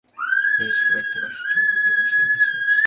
বেশ গভীর একটা কষ্ট বুকে পুষে রেখেছেন!